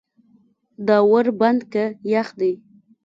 دا ور بند که یخ دی.